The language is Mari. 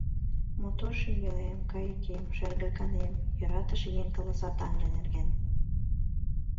«Мотор шӱмбелем, кайыкем, шергаканем», Йӧратыше еҥ каласа таҥже нерген.